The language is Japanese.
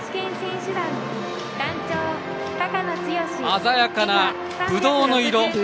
鮮やかなぶどうの色。